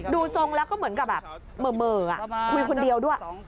ดูทรงแล้วก็เหมือนกับแบบเหม่อคุยคนเดียวด้วย